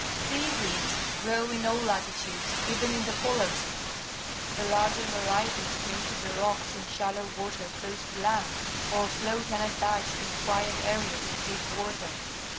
Sea weeds grow in all latitudes, even in the polar seas. The larger varieties cling to the rocks in shallow water close to land, or float unattached in quiet areas of deep water.